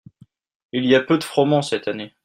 Il y a peu de froment cette année.